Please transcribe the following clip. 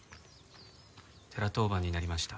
寺当番になりました。